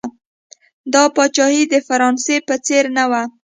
دا پاچاهي د فرانسې په څېر نه وه.